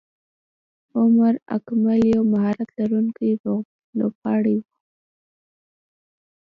عمر اکمل یو مهارت لرونکی لوبغاړی وو.